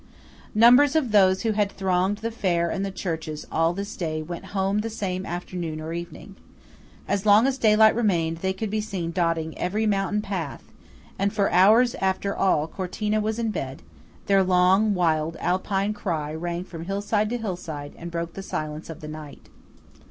Numbers of those who had thronged the fair and the churches all this day, went home the same afternoon or evening. As long as daylight remained, they could be seen dotting every mountain path; and for hours after all Cortina was in bed, their long wild Alpine cry rang from hillside to hillside, and broke the silence of the night.